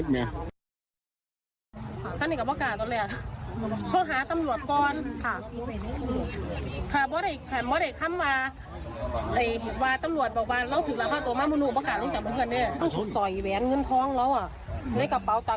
ถูกรักษาตรวจบางแล้วพระกาศสะว่า